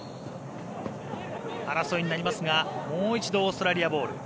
争いになりますがもう一度オーストラリアボール。